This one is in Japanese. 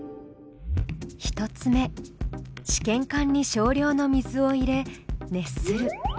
１つ目試験管に少量の水を入れ熱する。